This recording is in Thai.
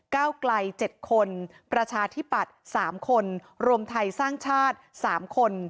เก้าไกล๗คนประชาธิปัตย์๓คนรวมไทยสร้างชาติ๓คน